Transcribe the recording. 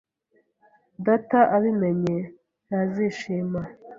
Data abimenye, ntazishima.